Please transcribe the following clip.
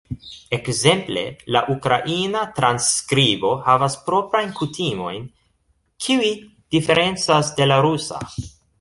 Ekzemple la ukraina transskribo havas proprajn kutimojn, kiuj diferencas de la rusa.